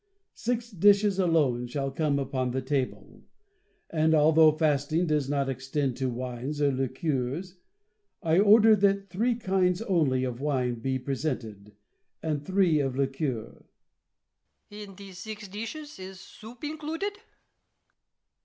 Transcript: Six dishes alone shall come upon the table ; and, although fasting does not LOUIS XIV. AND FATHER LA CHAISE. 35 extend to wines or liqueurs, 1 order that three kinds only of wine be presented, and three of liqueur.